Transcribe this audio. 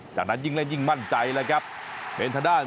จากนั้นยิงแล้วยิงมั่นใจครับเห็นท่านด้าน